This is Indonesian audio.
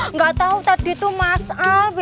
enggak tahu tadi itu mas al